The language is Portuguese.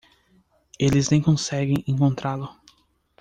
Eles nem conseguem encontrá-lo.